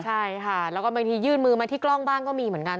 ใช่ค่ะแล้วก็บางทียื่นมือมาที่กล้องบ้างก็มีเหมือนกัน